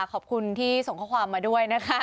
ขอบคุณที่ส่งข้อความมาด้วยนะคะ